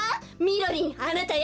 みろりんあなた